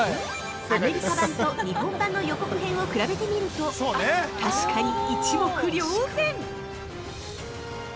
◆アメリカ版と日本版の予告編を比べてみると確かに一目瞭然！